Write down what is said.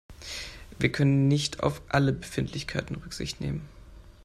Wir können nicht auf alle Befindlichkeiten Rücksicht nehmen.